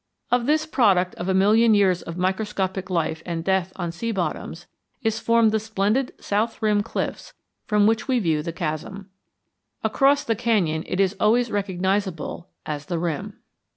Of this product of a million years of microscopic life and death on sea bottoms is formed the splendid south rim cliffs from which we view the chasm. Across the canyon it is always recognizable as the rim.